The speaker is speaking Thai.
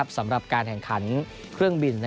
สำหรับการแข่งขันเครื่องบิน